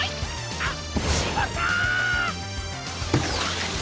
あっ！